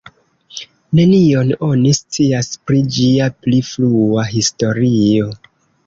Nenion oni scias pri ĝia pli frua historio.